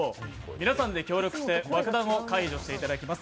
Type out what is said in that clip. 皆さんで協力して爆弾を解除していただきます。